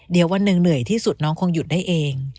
เดี๋ยววันหนึ่งเหนื่อยที่สุดน้องคงหยุดได้เอง